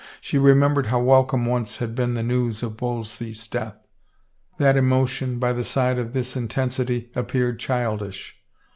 She remembered how welcome once had been the news of Wolsey's death; that emotion, by the side of this intensity, appeared childish.